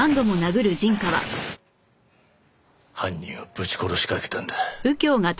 犯人をぶち殺しかけたんだ。